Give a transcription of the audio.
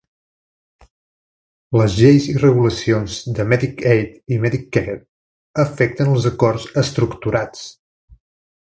Les lleis i regulacions de Medicaid i Medicare afecten als acords estructurats.